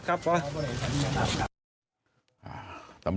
พ่อขอบคุณครับ